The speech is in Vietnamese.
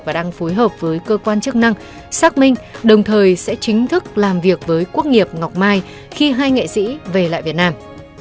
và đang phối hợp với cơ quan chức năng xác minh đồng thời sẽ chính thức làm việc với quốc nghiệp ngọc mai khi hai nghệ sĩ về lại việt nam